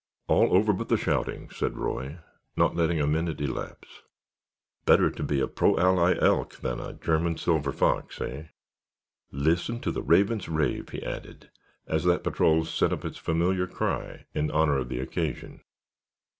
"All over but the shouting," said Roy, not letting a minute elapse. "Better to be a pro ally Elk than a German Silver Fox, hey? Listen to the Ravens rave," he added, as that patrol set up its familiar cry in honor of the occasion.